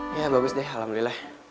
ya bagus deh alhamdulillah